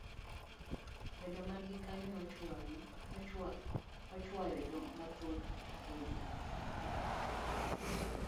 Bedo margi kanyo nochwayo jo mathoth ahinya.